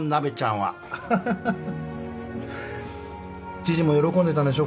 知事も喜んでたでしょ